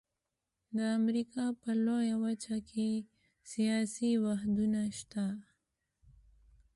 د امریکا په لویه وچه کې سیاسي واحدونه شته.